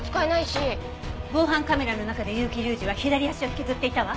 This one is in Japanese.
防犯カメラの中で結城隆司は左足を引きずっていたわ。